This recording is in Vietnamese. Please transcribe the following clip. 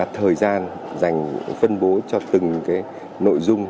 thời gian dành phân bố cho từng nội dung